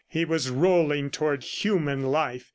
He was rolling toward human life